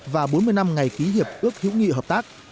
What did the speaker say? và bốn mươi năm ngày ký hiệp ước hữu nghị hợp tác